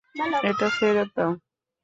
এটা ফেরত দাও!